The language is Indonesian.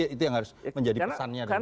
itu yang harus menjadi pesannya dari bang ubed